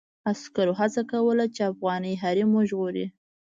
عسکرو هڅه کوله چې افغاني حريم وژغوري.